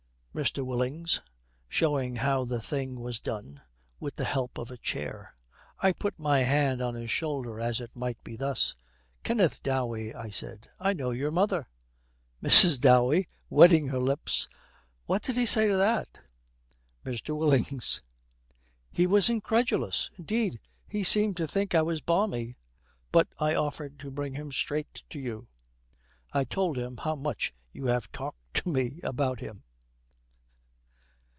MR. WILLINGS, showing how the thing was done, with the help of a chair, 'I put my hand on his shoulder as it might be thus. "Kenneth Dowey," I said, "I know your mother."' MRS. DOWEY, wetting her lips, 'What did he say to that?' MR. WILLINGS. 'He was incredulous. Indeed, he seemed to think I was balmy. But I offered to bring him straight to you. I told him how much you had talked to me about him.'